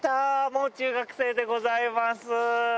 もう中学生でございます！